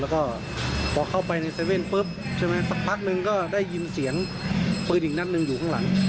แล้วพอเข้าไปในเซเว่นสักพักหนึ่งก็ได้ยินเสียงปืนหนึ่งอยู่ข้างหลัง